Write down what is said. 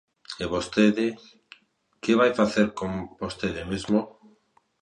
E vostede ¿que vai facer con vostede mesmo?